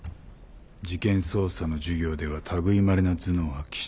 事件捜査の授業では類いまれな頭脳を発揮した。